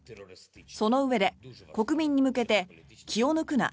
そのうえで、国民に向けて気を抜くな